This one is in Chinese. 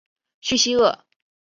叙西厄。